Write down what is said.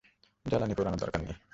জ্বালানী পোড়ানোর দরকার নেই।